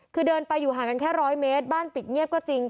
คือเดินไปอยู่ห่างกันแค่๑๐๐เมตรบ้านปิดเงียบก็จริง